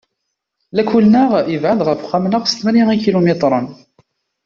Lakul-nneɣ yebɛed ɣef uxxam-nneɣ s tmanya ikilumitren.